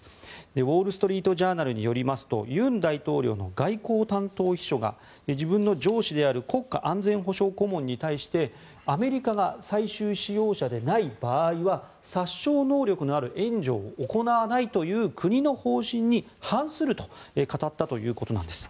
ウォール・ストリート・ジャーナルによりますと尹大統領の外交担当秘書が自分の上司である国家安全保障顧問に対してアメリカが最終使用者でない場合は殺傷能力のある援助を行わないという国の方針に反すると語ったということなんです。